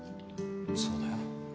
そうだよ。